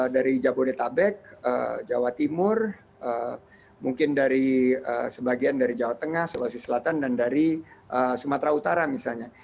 dari jabodetabek jawa timur mungkin dari sebagian dari jawa tengah sulawesi selatan dan dari sumatera utara misalnya